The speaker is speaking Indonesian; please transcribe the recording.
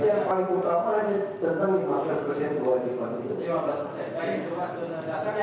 yang tadi sudah dikatakan